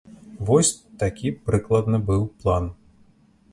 Вось такі прыкладна быў план.